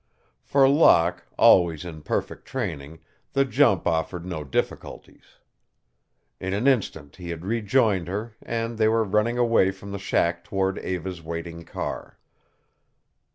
For Locke, always in perfect training, the jump offered no difficulties. In an instant he had rejoined her and they were running away from the shack toward Eva's waiting car.